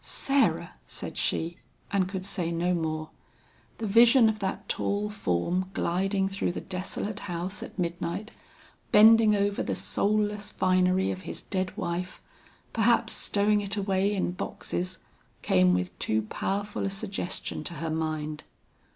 "Sarah!" said she, and could say no more. The vision of that tall form gliding through the desolate house at midnight, bending over the soulless finery of his dead wife, perhaps stowing it away in boxes, came with too powerful a suggestion to her mind.